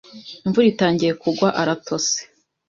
Imvura itangiye kugwa, aratose.